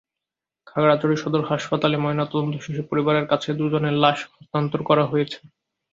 খাগড়াছড়ি সদর হাসপাতালে ময়নাতদন্ত শেষে পরিবারের কাছে দুজনের লাশ হস্তান্তর করা হয়েছে।